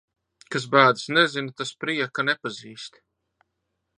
Kas bēdas nezina, tas prieka nepazīst.